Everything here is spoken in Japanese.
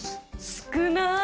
少ない。